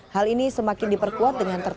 hal ini semakin diperkuat dengan tertutup